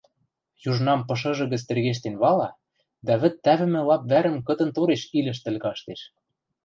Южнам пышыжы гӹц тӹргештен вала дӓ вӹд тӓвӹмӹ лап вӓрӹм кытын-тореш илӹштӹл каштеш.